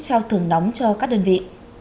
trao thưởng nóng cho các đơn vị